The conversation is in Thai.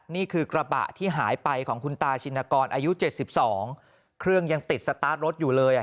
นี่คือกระบะที่หายไปของคุณตาชินกรอายุ๗๒เครื่องยังติดสตาร์ทรถอยู่เลย